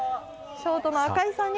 ショートの赤井さんに。